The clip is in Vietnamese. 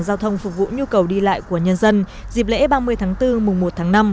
giao thông phục vụ nhu cầu đi lại của nhân dân dịp lễ ba mươi tháng bốn mùng một tháng năm